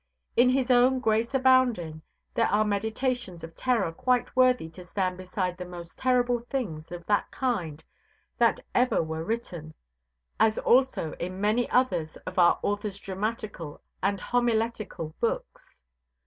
In his own Grace Abounding there are meditations of terror quite worthy to stand beside the most terrible things of that kind that ever were written, as also in many others of our author's dramatical and homiletical books.